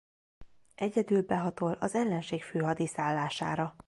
Egyedül behatol az ellenség főhadiszállására.